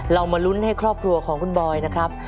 มาลุ้นให้ครอบครัวของคุณบอยนะครับ